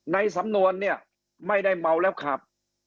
ในสำนวนไม่ได้เมาแล้วขับ